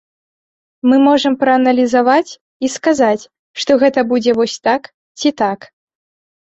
Мы можам прааналізаваць і сказаць, што гэта будзе вось так ці так.